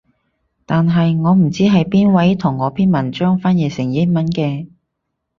但係我唔知係邊位同我篇文章翻譯成英語嘅